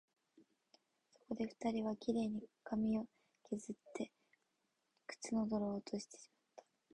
そこで二人は、綺麗に髪をけずって、靴の泥を落としました